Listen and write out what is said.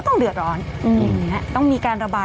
กรมป้องกันแล้วก็บรรเทาสาธารณภัยนะคะ